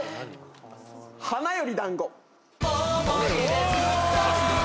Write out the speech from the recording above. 『花より男子』